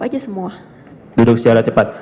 aja semua duduk secara cepat